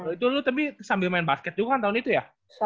itu dulu tapi sambil main basket juga kan tahun itu ya